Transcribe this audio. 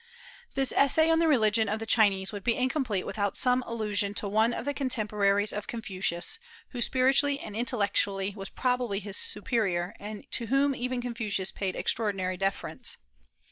This essay on the religion of the Chinese would be incomplete without some allusion to one of the contemporaries of Confucius, who spiritually and intellectually was probably his superior, and to whom even Confucius paid extraordinary deference.